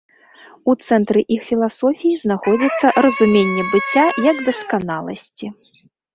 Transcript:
У цэнтры іх філасофіі знаходзіцца разуменне быцця як дасканаласці.